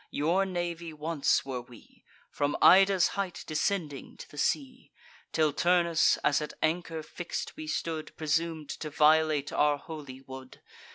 Your navy once were we, From Ida's height descending to the sea; Till Turnus, as at anchor fix'd we stood, Presum'd to violate our holy wood.